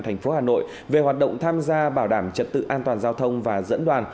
thành phố hà nội về hoạt động tham gia bảo đảm trật tự an toàn giao thông và dẫn đoàn